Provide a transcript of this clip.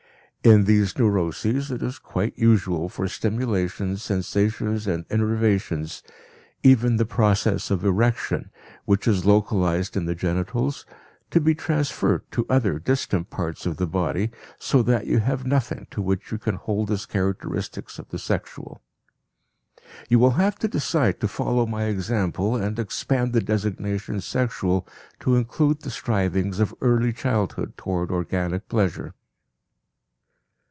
In these neuroses it is quite usual for stimulations, sensations and innervations, even the process of erection, which is localized in the genitals, to be transferred to other distant parts of the body, so that you have nothing to which you can hold as characteristics of the sexual. You will have to decide to follow my example and expand the designation "sexual" to include the strivings of early childhood toward organic pleasure.